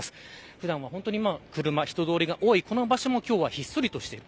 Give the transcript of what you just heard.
普段は車、人通りが多いこの場所も今日はひっそりとしている。